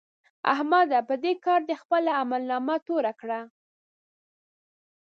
احمده! په دې کار دې خپله عملنامه توره کړه.